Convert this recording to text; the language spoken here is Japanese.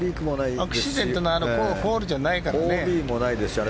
アクシデントのあるホールじゃないですからね。